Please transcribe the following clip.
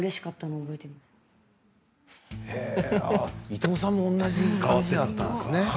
伊藤さんも同じだったんですね。